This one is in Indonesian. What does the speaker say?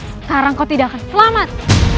sekarang kau tidak akan selamat